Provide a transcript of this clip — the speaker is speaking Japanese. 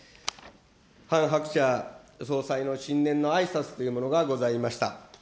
ハン・ハクチャ総裁の新年のあいさつというものがございました。